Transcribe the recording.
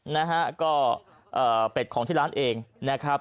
นะฮะก็เอ่อเป็ดของที่ร้านเองนะครับ